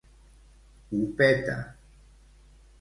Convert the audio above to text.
Ho peta.